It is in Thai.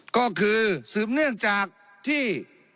ก็คือสืบเนื่องจากที่